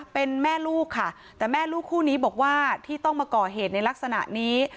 เป็นแม่ลูกค่ะแต่แม่ลูกคู่นี้บอกว่าที่ต้องมาก่อเหตุในลักษณะนี้